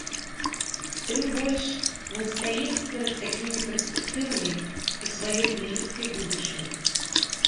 Тым больш, мы стаім перад такімі перспектывамі ў сваёй блізкай будучыні.